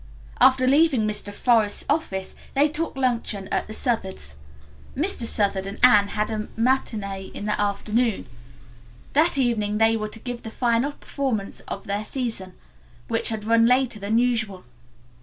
After leaving Mr. Forest's office they took luncheon at the Southards. Mr. Southard and Anne had a matinee in the afternoon. That evening they were to give the final performance of their season, which had run later than usual.